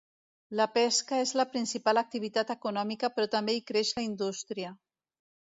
La pesca és la principal activitat econòmica però també hi creix la indústria.